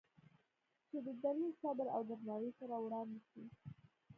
چې د دلیل، صبر او درناوي سره وړاندې شي،